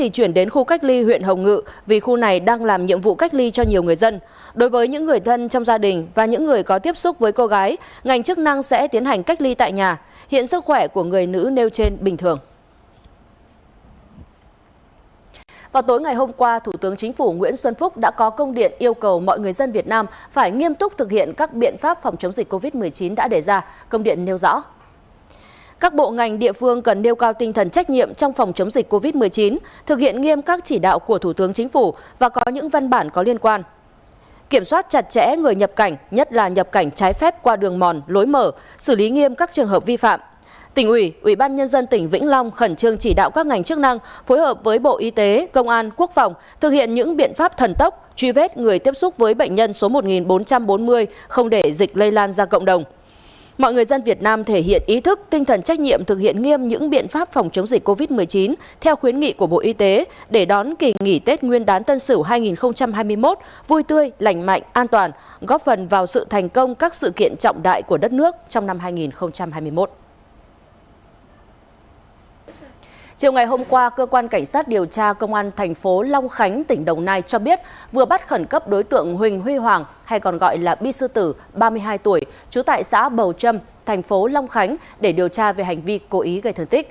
chiều ngày hôm qua cơ quan cảnh sát điều tra công an thành phố long khánh tỉnh đồng nai cho biết vừa bắt khẩn cấp đối tượng huỳnh huy hoàng hay còn gọi là bi sư tử ba mươi hai tuổi trú tại xã bầu trâm thành phố long khánh để điều tra về hành vi cố ý gây thương tích